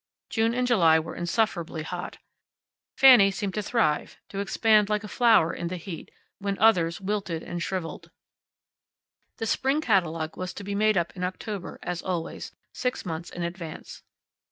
June and July were insufferably hot. Fanny seemed to thrive, to expand like a flower in the heat, when others wilted and shriveled. The spring catalogue was to be made up in October, as always, six months in advance.